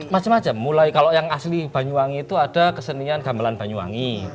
macam macam mulai kalau yang asli banyuwangi itu ada kesenian gamelan banyuwangi